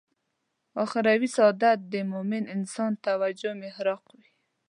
اخروي سعادت د مومن انسان توجه محراق وي.